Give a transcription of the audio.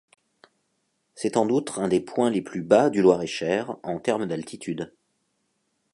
C'est en outre un des points les plus bas du Loir-et-Cher en termes d'altitude.